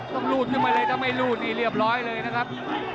รูดขึ้นมาเลยถ้าไม่รูดนี่เรียบร้อยเลยนะครับ